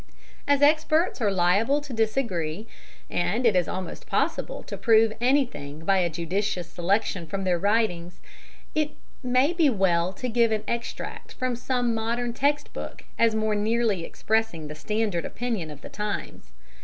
As experts are liable to disagree, and it is almost possible to prove anything by a judicious selection from their writings, it may be well to give an extract from some modern text book as more nearly expressing the standard opinion of the times.